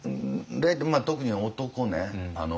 特に男ね